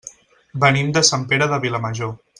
Venim de Sant Pere de Vilamajor.